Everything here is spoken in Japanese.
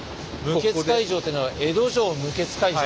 無血開城というのは江戸城無血開城？